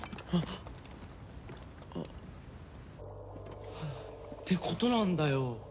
あっ。ってことなんだよ。